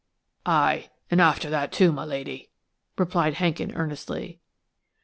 "Ay, and after that, too, my lady," replied Hankin, earnestly.